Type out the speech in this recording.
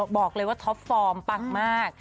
บอกเลยว่าท็อปฟอร์มปังมาก